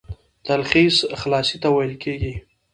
تلخیص خلاصې ته ويل کیږي.